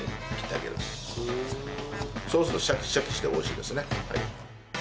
そうするとシャキシャキして美味しいですね。